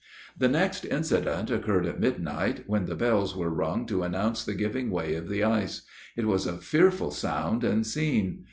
The next incident occurred at midnight, when the bells were rung to announce the giving way of the ice. It was a fearful sound and scene.